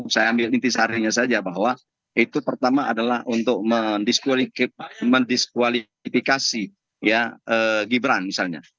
saya ambil rintis harinya saja bahwa itu pertama adalah untuk mendiskualifikasi ya gibran misalnya